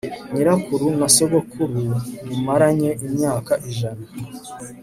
nyirakuru na sogokuru mumaranye imyaka ijana